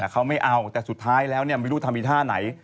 แต่เขาไม่เอาแต่สุดท้ายจะไม่รู้ทำวิทยาไหน